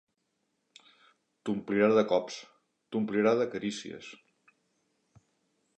T'omplirà de cops, t'omplirà de carícies.